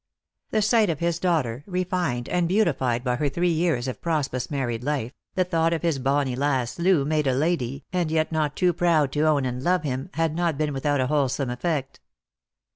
The sight of his daughter, refined and beautified by her three years of prosperous married life, the thought of his bonny lass Loo made a lady, and yet not too proud to own and love him, had not been without a wholesome effect.